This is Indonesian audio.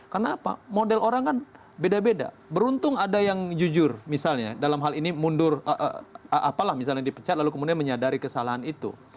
karena apa model orang kan beda beda beruntung ada yang jujur misalnya dalam hal ini mundur apalah misalnya dipecat lalu kemudian menyadari kesalahan itu